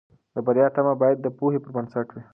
د بریا تمه باید د پوهې پر بنسټ وي.